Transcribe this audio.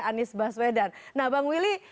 anies baswedan nah bang willy